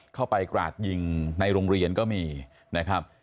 กราดยิงในโรงเรียนก็มีนะครับ